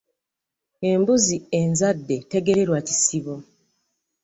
Embuzi enzadde tegererwa kisibo .